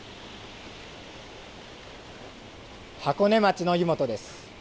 箱根町の湯本です。